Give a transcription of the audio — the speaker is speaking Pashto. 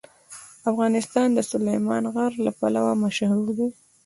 افغانستان د سلیمان غر لپاره مشهور دی.